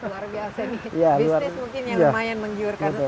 luar biasa nih bisnis mungkin yang lumayan menggiurkan